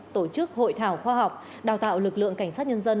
tổ chức hội thảo khoa học đào tạo lực lượng cảnh sát nhân dân